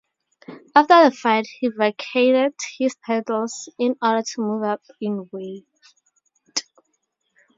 After the fight, he vacated his titles in order to move up in weight.